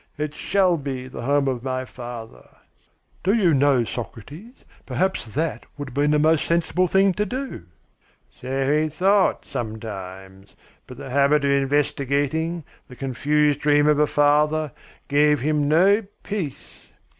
It shall be the home of my father.'" "Do you know, Socrates, perhaps that would have been the most sensible thing to do." "So he thought sometimes. But the habit of investigating, the confused dream of a father, gave him no peace.